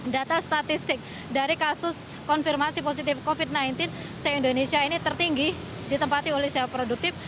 data statistik dari kasus konfirmasi positif covid sembilan belas se indonesia ini tertinggi ditempati oleh sewa produktif